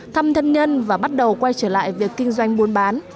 thăm thân nhân và bắt đầu quay trở lại việc kinh doanh buôn bán